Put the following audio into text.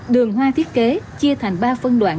đường hoa thiết kế chia thành ba phân đoạn